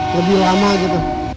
lebih lama gitu